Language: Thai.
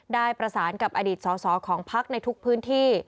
ได้ประสานกับอดีตสอสอของพักในทุกพื้นที่